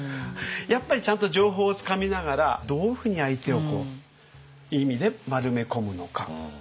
やっぱりちゃんと情報をつかみながらどういうふうに相手をいい意味で丸めこむのか。